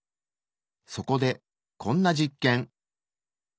そこでこんな実験。